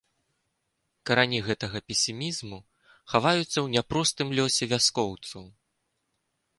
Карані гэткага песімізму хаваюцца ў няпростым лёсе вяскоўцаў.